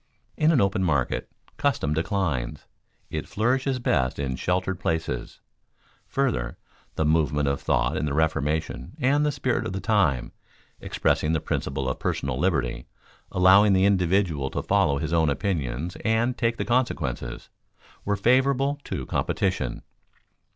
In an open market custom declines; it flourishes best in sheltered places. Further, the movement of thought in the Reformation and the spirit of the time, expressing the principle of personal liberty, allowing the individual to follow his own opinions and take the consequences, were favorable to competition.